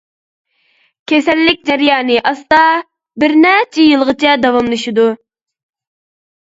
كېسەللىك جەريانى ئاستا، بىر نەچچە يىلغىچە داۋاملىشىدۇ.